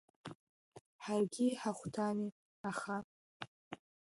Ҳаргьы иҳахәҭами, аха…